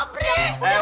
aku pengen pingsan tadi